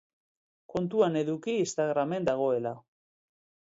Kontuan eduki Instagramen dagoela.